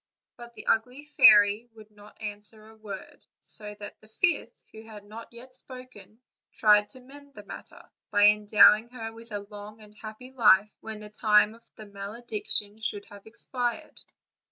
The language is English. But the ugly fairy would not answer a word so that the fifth, who had not yet spoken, tried to mend the matter, by endowing her with a long and happy life when the time of the malediction should have expired.